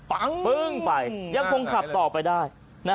แล้วก็คลับไปต่อไปได้